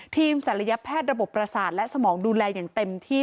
ศัลยแพทย์ระบบประสาทและสมองดูแลอย่างเต็มที่